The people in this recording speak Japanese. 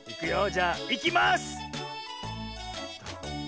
じゃあいきます！